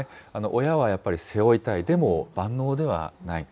親はやっぱり背負いたい、でも万能ではない。